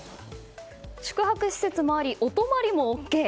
宿泊施設もあり、お泊まりもＯＫ。